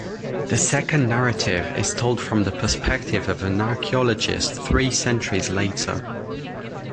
The second narrative is told from the perspective of an archaeologist three centuries later.